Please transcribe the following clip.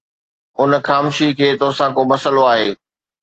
ان خامشي کي توسان ڪو مسئلو آهي